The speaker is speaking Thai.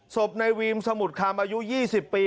ศพในวีมสมุดคำอายุ๒๐ปี